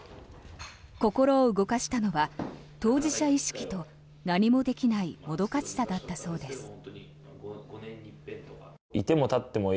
心を動かしたのは当事者意識と何もできないもどかしさだったそうです。